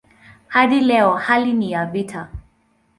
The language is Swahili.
Hadi leo hali ni ya vita.